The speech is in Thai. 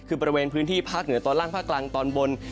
คือบริเวณพื้นที่ภาคเหนือตอนล่างภาคกลางตอนบน